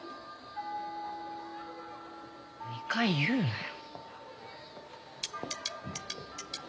２回言うなよ。